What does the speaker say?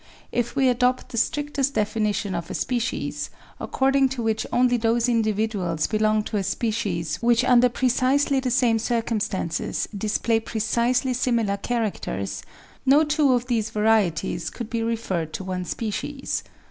If we adopt the strictest definition of a species, according to which only 316 APPENDIX those individuals belong to a species which under precisely the same circumstances display precisely similar characters, no two of these varieties could be referred to one species.